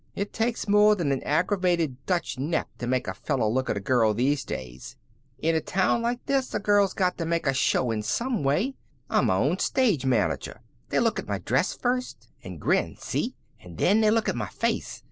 It takes more than an aggravated Dutch neck to make a fellow look at a girl these days. In a town like this a girl's got to make a showin' some way. I'm my own stage manager. They look at my dress first, an' grin. See? An' then they look at my face.